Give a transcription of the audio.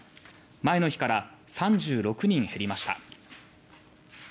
前の日から３６人減りました。